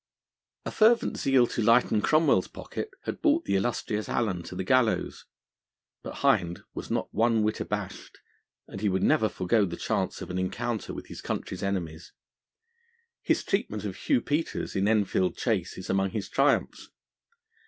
A fervent zeal to lighten Cromwell's pocket had brought the illustrious Allen to the gallows. But Hind was not one whit abashed, and he would never forego the chance of an encounter with his country's enemies. His treatment of Hugh Peters in Enfield Chace is among his triumphs.